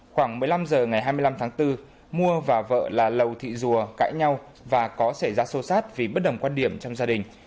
khoảng một mươi năm h ngày hai mươi năm tháng bốn mùa và vợ là lầu thị dùa cãi nhau và có xảy ra sâu sát vì bất đồng quan điểm trong gia đình